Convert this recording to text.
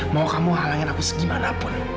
mau kamu halangin aku segimanapun